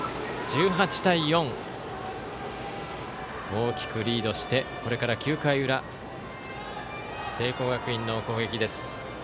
大きくリードしてこれから９回裏聖光学院の攻撃です。